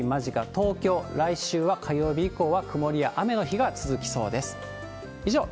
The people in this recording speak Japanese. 東京、来週は火曜日以降は曇りや雨の日が続きそうです。